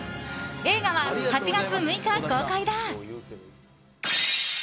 映画は８月６日公開だ。